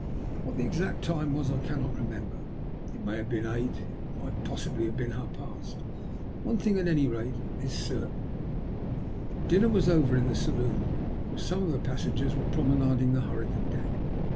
What the exact time was I cannot remember. It may have been eight, and it might possibly have been half past ; one thing, at any rate, is certain : dinner was over in the saloon, for some of the passengers were promenading the hurricane deck.